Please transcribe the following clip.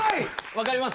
分かります？